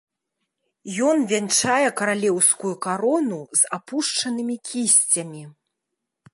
Ён вянчае каралеўскую карону з апушчанымі кісцямі.